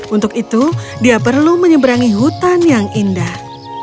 untuk itu dia perlu menyeberangi hutan yang indah